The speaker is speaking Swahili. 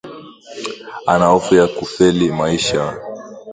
Ana hofu ya kufeli maishani